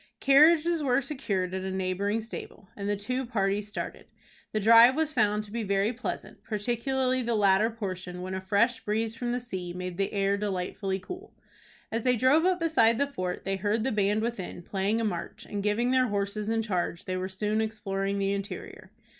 Carriage were secured at a neighboring stable, and the two parties started. The drive was found to be very pleasant, particularly the latter portion, when a fresh breeze from the sea made the air delightfully cool. As they drove up beside the fort, they heard the band within, playing a march, and, giving their horses in charge, they were soon exploring the interior.